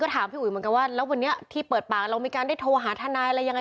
ถามพี่อุ๋ยเหมือนกันว่าแล้ววันนี้ที่เปิดปากเรามีการได้โทรหาทนายอะไรยังไง